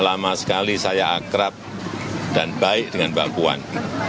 lama sekali saya akrab dan baik dengan mbak puan